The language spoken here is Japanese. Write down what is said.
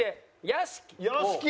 屋敷！